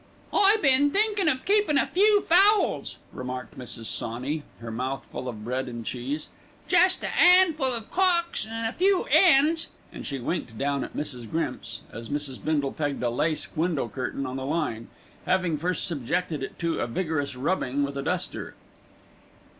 "I been thinkin' of keepin' a few fowls," remarked Mrs. Sawney, her mouth full of bread and cheese, "jest a 'andful of cocks an' a few 'ens," and she winked down at Mrs. Grimps, as Mrs. Bindle pegged a lace window curtain on the line, having first subjected it to a vigorous rubbing with a duster.